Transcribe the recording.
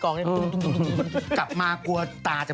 ก็ไปทับทางแล้วก็แบบ